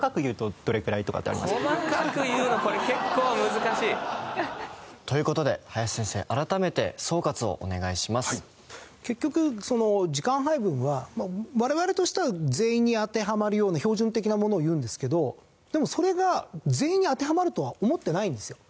細かく言うのこれ結構難しい。という事で結局時間配分は我々としては全員に当てはまるような標準的なものを言うんですけどでもそれが全員に当てはまるとは思ってないんですよ。